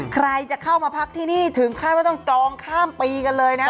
ใครจะเข้ามาพักที่นี่ถึงขั้นว่าต้องจองข้ามปีกันเลยนะ